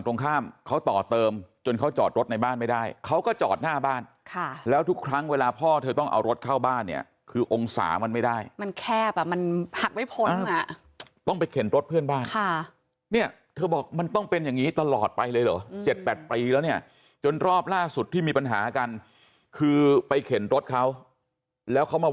ทุกวันทุกวันทุกวันทุกวันทุกวันทุกวันทุกวันทุกวันทุกวันทุกวันทุกวันทุกวันทุกวันทุกวันทุกวันทุกวันทุกวันทุกวันทุกวันทุกวันทุกวันทุกวันทุกวันทุกวันทุกวันทุกวันทุกวันทุกวันทุกวันทุกวันทุกวันทุกว